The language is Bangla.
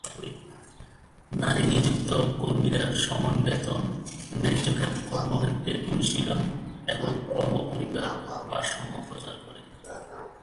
নারী নিযুক্ত কর্মীরা সমান বেতন, ন্যায্য কর্মক্ষেত্রের অনুশীলন এবং কর্ম-পরিবার ভারসাম্য প্রচার করে।